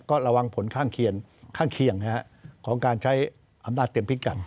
ก็ระวังผลข้างเคียงของการใช้อำนาจเตรียมพลิกกัน